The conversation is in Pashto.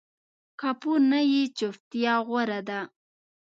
که پوه نه یې، چُپتیا غوره ده